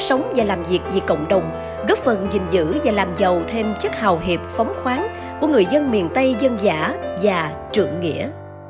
sống và làm việc vì cộng đồng góp phần gìn giữ và làm giàu thêm chất hào hiệp phóng khoáng của người dân miền tây dân giả và trượng nghĩa